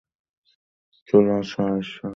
চলে আসো ঈশ্বর, আমি এই চোরা শিকারীদের ঘৃণা করি।